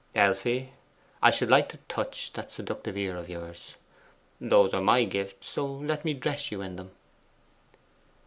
'Elfie, I should like to touch that seductive ear of yours. Those are my gifts; so let me dress you in them.